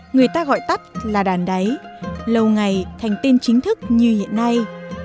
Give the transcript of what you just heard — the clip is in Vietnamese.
người ta gọi tắt là đàn đáy lâu ngày thành tin chính thức như hiện nay